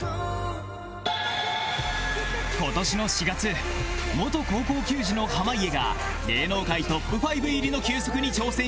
今年の４月元高校球児の濱家が芸能界トップ５入りの球速に挑戦した始球式